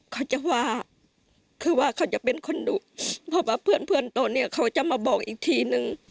เขาจะว่าคือว่าเขาจะเป็นคนดุเพราะว่าเพื่อนเพื่อนโตเนี่ยเขาจะมาบอกอีกทีนึง